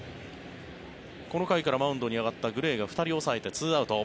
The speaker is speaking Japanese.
この回からマウンドに上がったグレイが２人抑えて２アウト。